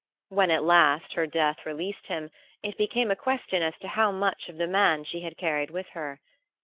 When at last her death released him it became a question as to how much of the man she had carried with her.